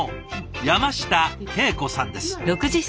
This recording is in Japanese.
山下恵子さんです。